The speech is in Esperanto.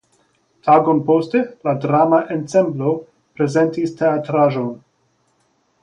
Tagon poste la drama ensemblo prezentis teatraĵon.